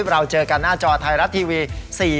เราเจอกันหน้าจอไทยรัฐทีวี